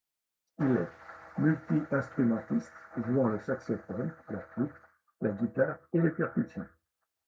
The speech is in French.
Il est multi-instrumentiste, jouant le saxophone, la flûte, la guitare et les percussions.